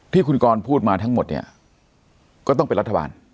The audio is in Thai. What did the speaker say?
ที่คุณกรพูดมาทั้งหมดเนี่ยก็ต้องเป็นรัฐบาล